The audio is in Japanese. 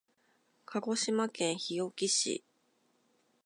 鹿児島県日置市